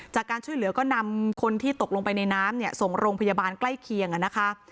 จากการช่วยเหลือก็นำคนที่ตกลงไปในน้ำเนี่ยส่งโรงพยาบาลใกล้เคียงนะคะ